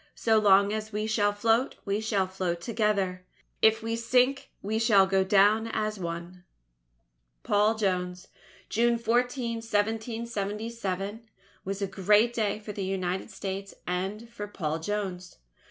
So long as we shall float, we shall float together. If we sink, we shall go down as one._ PAUL JONES June 14, 1777, was a great day for the United States and for Paul Jones.